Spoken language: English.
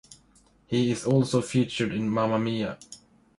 He is also featured in Mamma Mia!